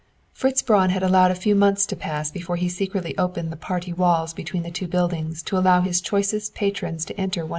Fritz Braun had allowed a few months to pass before he secretly opened the party walls between the two buildings to allow his choicest patrons to enter No.